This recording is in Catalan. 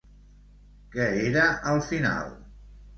Què era al final?